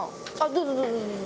どうぞどうぞ。